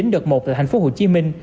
đợt một tại thành phố hồ chí minh